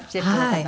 はい。